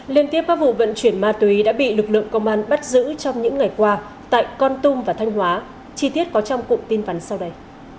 liên tiếp các vụ vận chuyển ma túy đã bị lực lượng công an bắt giữ trong những ngày qua tại con tum và thanh hóa chi tiết có trong cụm tin vắn sau đây